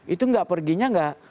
itu gak perginya gak